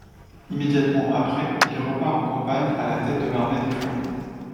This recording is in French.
Immédiatement après, il repart en campagne à la tête de l'Armée des Flandres.